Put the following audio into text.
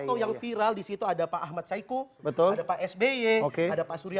apa yang viral di situ ada pak ahmad syahiku betul psb kehlas pacuria